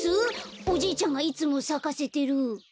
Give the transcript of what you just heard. おじいちゃんがいつもさかせてる。